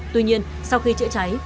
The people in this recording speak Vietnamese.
tuy nhiên sau khi trựa trái